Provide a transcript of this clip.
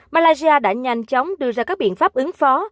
malaysia đã nhanh chóng đưa ra các biện pháp ứng phó